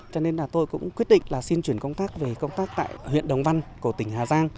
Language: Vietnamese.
cho nên là tôi cũng quyết định là xin chuyển công tác về công tác tại huyện đồng văn của tỉnh hà giang